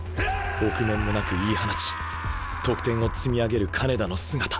臆面もなく言い放ち得点を積み上げる金田の姿。